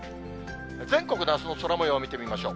全国のあすの空もようを見てみましょう。